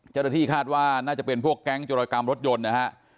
เจ้าหน้าที่คาดว่าน่าจะเป็นพวกแก๊งจรกรรมรถยนต์นะฮะ